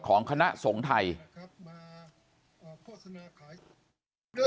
ของคณะสงฆ์ไทย